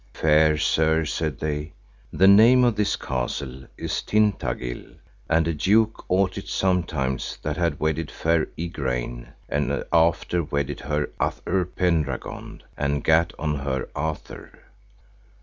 Fair sir, said they, the name of this castle is Tintagil, and a duke ought it sometime that had wedded fair Igraine, and after wedded her Uther Pendragon, and gat on her Arthur.